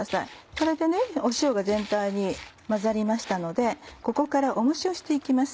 これで塩が全体に混ざりましたのでここから重しをしていきます。